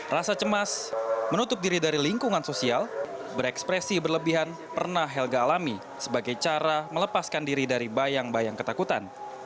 rasa cemas menutup diri dari lingkungan sosial berekspresi berlebihan pernah helga alami sebagai cara melepaskan diri dari bayang bayang ketakutan